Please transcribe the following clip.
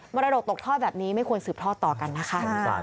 รดกตกทอดแบบนี้ไม่ควรสืบทอดต่อกันนะคะ